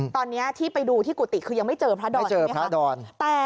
ตอนนี้ที่ไปดูที่กุฏิคือยังไม่เจอพระดร